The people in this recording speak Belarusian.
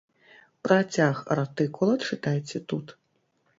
Працяг артыкула чытайце тут.